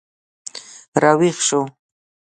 راویښ شو